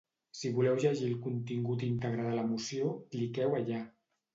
Si voleu llegir el contingut íntegre de la moció, cliqueu allà.